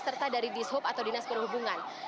serta dari dishub atau dinas perhubungan